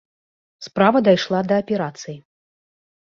Справа дайшла да аперацыі.